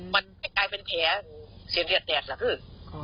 มันไม่กลายเป็นแผลเสียงเหยียดแดดล่ะคือ